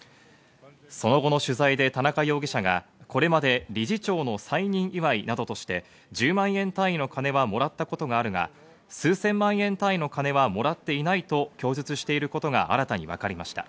その後の取材で田中容疑者がこれまで理事長の再任祝いなどとして、１０万円単位の金はもらったことがあるが、数千万円単位の金はもらっていないと供述していることが新たに分かりました。